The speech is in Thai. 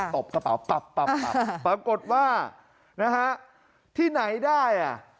ตบกระเป๋าปับปับปับปรากฏว่าที่ไหนได้